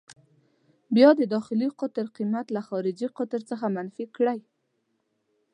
بیا د داخلي قطر قېمت له خارجي قطر څخه منفي کړئ.